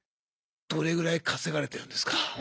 どれぐらい稼がれてるんですか？